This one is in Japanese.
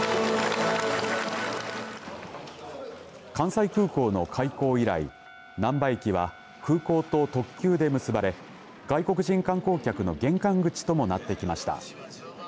関西空港の開港以来なんば駅は空港と特急で結ばれ外国人観光客の玄関口ともなってきました。